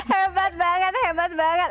hebat banget hebat banget